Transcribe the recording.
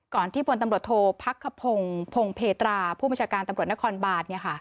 ก่อนที่บนตำรวจโทษพรรคพงศ์พงศ์เพตราผู้บัญชาการตำรวจนครบาท